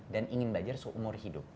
dan ingin belajar seumur hidup